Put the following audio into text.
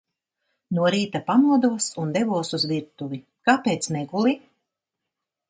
No rīta pamodos un devos uz virtuvi. Kāpēc neguli?